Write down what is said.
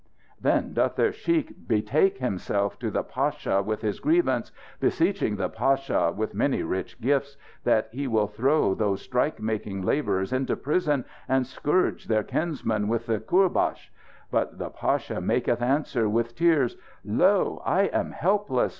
"Then doth their sheikh betake himself to the pasha with his grievance; beseeching the pasha, with many rich gifts, that he will throw those strike making labourers into prison and scourge their kinsmen with the kourbash. But the pasha maketh answer, with tears: 'Lo, I am helpless!